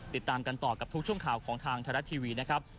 ติดตามกันต่อกับทุกช่วงข่าวของทางไทยรัฐทีวีนะครับ